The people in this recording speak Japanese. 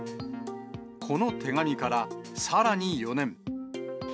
この手紙からさらに４年。